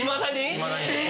いまだにです。